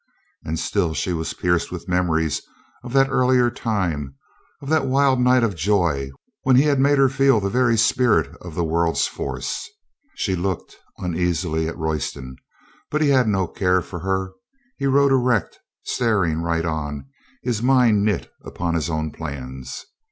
And still she was pierced with memories of that earlier time, of that wild night of joy when he had made her feel the very spirit of the world's force. ... She looked uneasily at Royston. But he had no care for her. He rode erect, staring right 234 COLONEL GREATHEART on, his mind knit upon his own plans